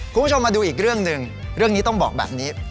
คุณผู้ชมมาดูอีกเรื่องหนึ่งเรื่องนี้ต้องบอกแบบนี้